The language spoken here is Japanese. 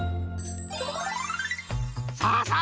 さあさあ